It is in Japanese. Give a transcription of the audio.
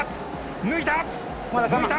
抜いた！